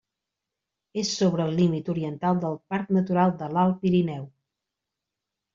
És sobre el límit oriental del Parc Natural de l'Alt Pirineu.